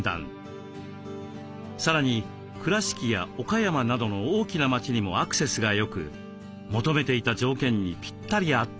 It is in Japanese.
さらに倉敷や岡山などの大きな街にもアクセスがよく求めていた条件にピッタリ合ったのです。